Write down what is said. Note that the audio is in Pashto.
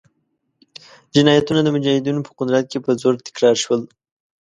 جنایتونه د مجاهدینو په قدرت کې په زور تکرار شول.